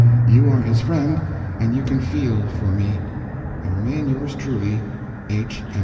You are his friend and you can feel for me. "I remain yours truly, "H.